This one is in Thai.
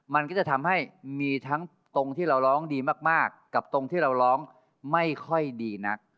มันก็จะทำให้มีทั้งตรงที่เราร้องดีมากกับตรงที่เราร้องไม่ค่อยดีนัก